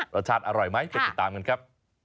รสชาติอร่อยไหมไปติดตามกันครับ